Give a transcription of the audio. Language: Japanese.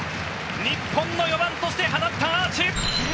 日本の４番として放ったアーチ！